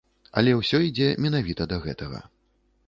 Але ўсё ідзе менавіта да гэтага.